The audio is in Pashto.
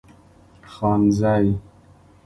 خانزۍ